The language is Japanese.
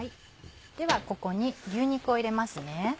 ではここに牛肉を入れますね。